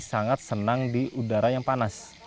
sangat senang di udara yang panas